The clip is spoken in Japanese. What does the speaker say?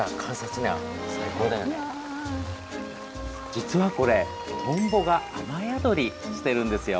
実は、これトンボが雨宿りしているんです。